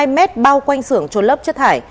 hai m bao quanh sưởng trôn lấp chất thải